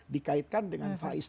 dikaitkan dengan faiz